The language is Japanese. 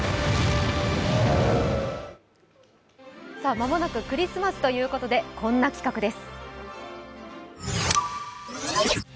間もなくクリスマスということで、こんな企画です。